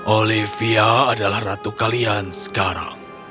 olivia adalah ratu kalian sekarang